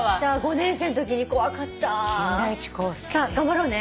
さあ頑張ろうね。